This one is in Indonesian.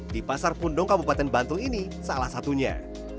di pasar pundong kabupaten bantul ini salah satunya